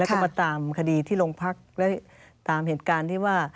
แล้วก็มาตามคดีที่โรงพักและตามเหตุการณ์ที่ว่า